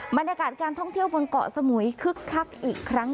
บรรยากาศการท่องเที่ยวบนเกาะสมุยคึกคักอีกครั้ง